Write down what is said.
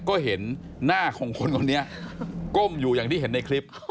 ก็เห็นหน้าของคนคนนี้ก้มอยู่อย่างที่เห็นในคลิป